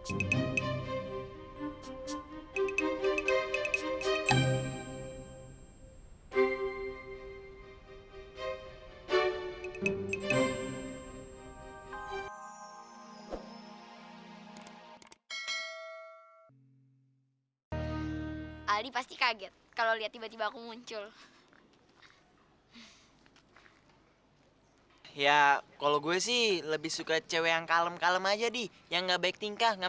sampai jumpa di video selanjutnya